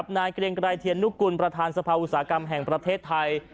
เกรงไกรเทียนนุกุลประธานสภาอุตสาหกรรมแห่งประเทศไทย